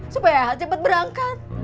supaya eha cepet berangkat